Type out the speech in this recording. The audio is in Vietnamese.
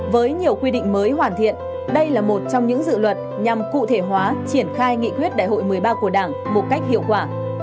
với nhiều quy định mới hoàn thiện đây là một trong những dự luật nhằm cụ thể hóa triển khai nghị quyết đại hội một mươi ba của đảng một cách hiệu quả